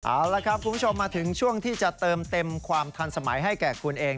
เอาละครับคุณผู้ชมมาถึงช่วงที่จะเติมเต็มความทันสมัยให้แก่คุณเอง